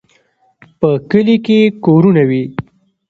په کلي کې کورونه وي.